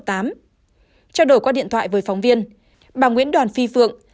trao đổi qua điện thoại với phóng viên bà nguyễn đoàn phi phượng